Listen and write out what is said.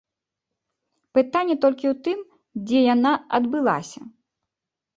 Пытанне толькі ў тым, дзе яна адбылася?